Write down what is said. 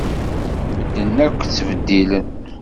Medden akk ttbeddilen.